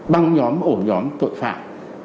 băng nhóm ổ nhóm tội phạm